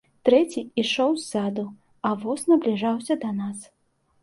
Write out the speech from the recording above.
Трэці ішоў ззаду, а воз набліжаўся да нас.